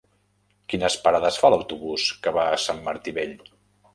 Quines parades fa l'autobús que va a Sant Martí Vell?